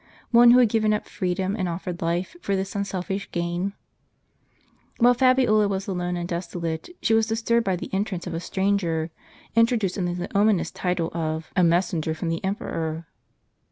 One who had given up freedom, and offered life, for this unselfish gain ? While Fabiola was alone and desolate, she was disturbed by the entrance of a stranger, introduced under the ominous title of " A messenger from the emperor."